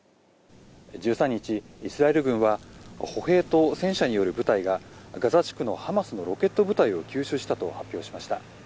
１３日、イスラエル軍は歩兵と戦車による部隊がガザ地区のハマスのロケット部隊を急襲したと発表しました。